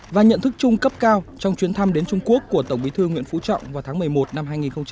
và nhận thức chung cấp cao trong chuyến thăm đến trung quốc của tổng bí thư nguyễn phú trọng vào tháng một mươi một năm hai nghìn hai mươi